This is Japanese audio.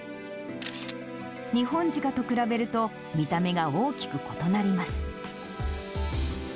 ニホンジカと比べると、見た目が大きく異なります。